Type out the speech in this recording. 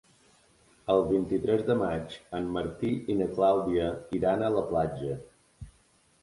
El vint-i-tres de maig en Martí i na Clàudia iran a la platja.